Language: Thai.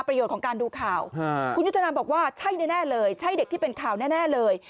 ของการดูข่าวคุณยุทธนาบอกว่าใช่แน่เลยใช่เด็กที่เป็นข่าวแน่เลย